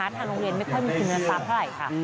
ทางโรงเรียนไม่ค่อยมีเงินทรัพย์เท่าไหร่